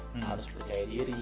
harus percaya diri